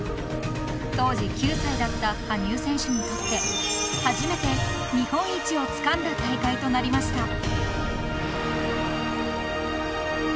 ［当時９歳だった羽生選手にとって初めて日本一をつかんだ大会となりました］